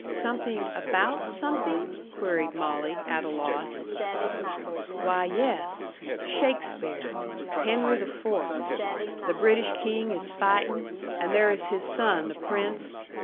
"Something ABOUT something?" queried Molly, at a loss. "Why, yes. Shakespeare. HENRY THE FOURTH. The British king is fighting, and there is his son the prince.